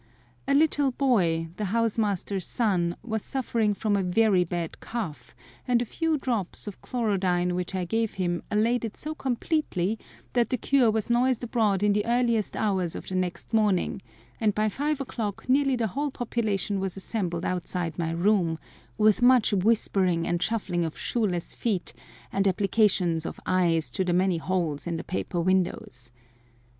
A little boy, the house master's son, was suffering from a very bad cough, and a few drops of chlorodyne which I gave him allayed it so completely that the cure was noised abroad in the earliest hours of the next morning, and by five o'clock nearly the whole population was assembled outside my room, with much whispering and shuffling of shoeless feet, and applications of eyes to the many holes in the paper windows.